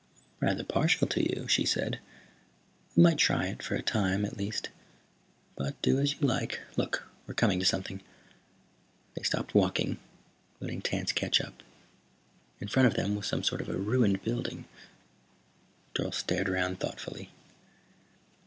"I'm rather partial to you," she said. "We might try it for a time, at least. But do as you like. Look, we're coming to something." They stopped walking, letting Tance catch up. In front of them was some sort of a ruined building. Dorle stared around thoughtfully.